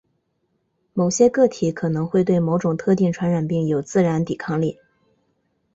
某些个体可能会对某种特定传染病有自然抵抗力。